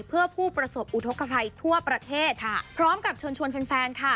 เพื่อผู้ประสบอุทธกภัยทั่วประเทศพร้อมกับเชิญชวนแฟนค่ะ